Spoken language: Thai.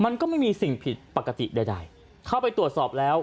มันก็ไม่มีสิ่งผิดปกติใดใดเข้าไปตรวจสอบแล้ว